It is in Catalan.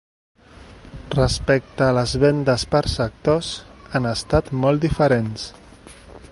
Respecte a les vendes per sectors, han estat molt diferents.